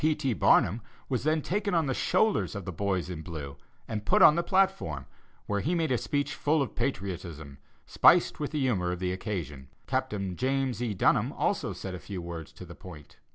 P. T. Barnum was then taken on the shoulders of the boys in blue, and put on the platform, where he made a speech full of patriotism, spiced with the humor of the occasion. Captain James E. Dunham also said a few words to the point....